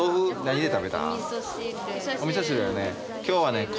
今日はね